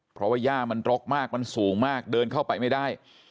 เพราะว่าย่ามันรกมากมันสูงมากเดินเข้าไปไม่ได้